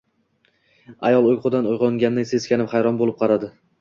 Ayol uyqudan uyg`onganday, seskanib, hayron bo`lib qaradi